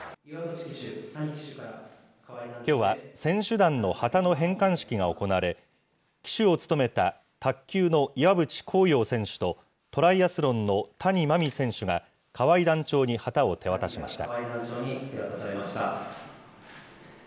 きょうは選手団の旗の返還式が行われ、旗手を務めた卓球の岩渕幸洋選手と、トライアスロンの谷真海選手が河合団長に旗を手渡しました。